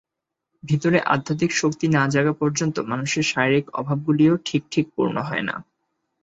ভিতরে আধ্যাত্মিক শক্তি না জাগা পর্যন্ত মানুষের শারীরিক অভাবগুলিও ঠিক ঠিক পূর্ণ হয় না।